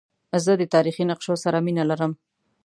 زه د تاریخي نقشو سره مینه لرم.